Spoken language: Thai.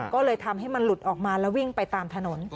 ก็เลยทำให้มันหลุดออกมาแล้ววิ่งไปตามถนน